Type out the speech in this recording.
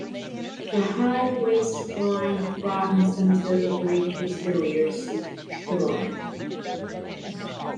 A high waistline broadens until it reaches the rear "C" pillar.